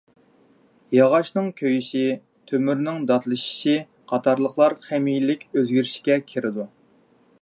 ياغاچنىڭ كۆيۈشى، تۆمۈرنىڭ داتلىشىشى قاتارلىقلار خىمىيەلىك ئۆزگىرىشكە كىرىدۇ.